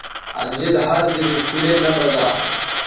اسجد ہر دِس اسکولے نہ بزا